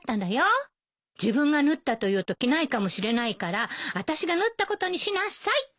自分が縫ったと言うと着ないかもしれないからあたしが縫ったことにしなさいって。